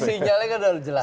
sinyalnya udah jelas